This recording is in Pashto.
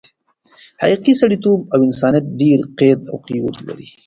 حقیقي سړیتوب او انسانیت ډېر قید او قیود لري.